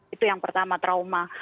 itu yang pertama trauma